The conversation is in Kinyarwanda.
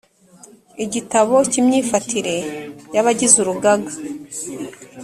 igitabo cy’imyifatire y’abagize urugaga